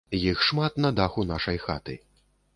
Іх шмат на даху нашай хаты.